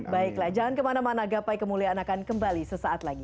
baiklah jangan kemana mana gapai kemuliaan akan kembali sesaat lagi